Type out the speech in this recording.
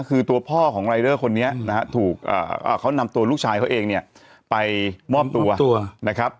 คือตัวพ่อของรายเดอร์คนนี้นะฮะถูกเขานำตัวลูกชายเขาเองเนี่ยไปมอบตัวนะครับ